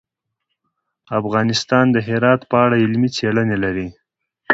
افغانستان د هرات په اړه علمي څېړنې لري.